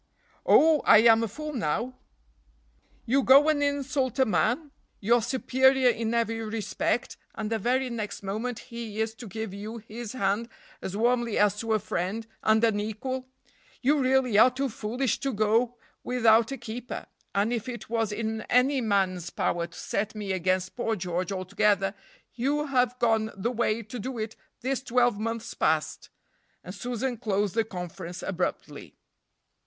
"Oh I am a fool now?" "You go and insult a man, your superior in every respect, and the very next moment he is to give you his hand as warmly as to a friend, and an equal; you really are too foolish to go without a keeper, and if it was in any man's power to set me against poor George altogether you have gone the way to do it this twelve months past;" and Susan closed the conference abruptly.